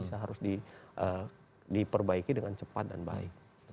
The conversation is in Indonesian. bisa harus diperbaiki dengan cepat dan baik